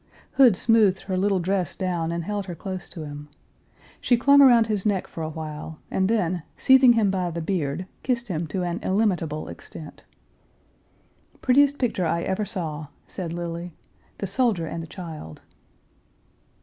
Hood smoothed her little dress down and held her close to him. She clung around his neck for a while, and then, seizing him by the beard, kissed him to an illimitable extent. "Prettiest picture I ever saw," said Lily. "The soldier and the child."